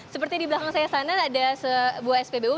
seperti di belakang saya sana ada sebuah spbu